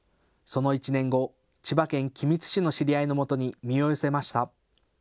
その１年後、千葉県君津市の知り合いのもとに身を寄せました。